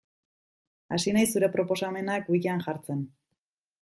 Hasi naiz zure proposamenak wikian jartzen.